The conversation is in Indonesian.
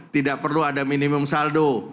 tidak perlu ada minimum saldo